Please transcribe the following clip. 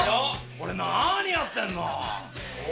俺何やってんの！？